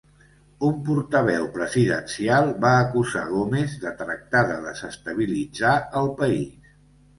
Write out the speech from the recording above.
Un portaveu presidencial va acusar Gomes de tractar de desestabilitzar el país.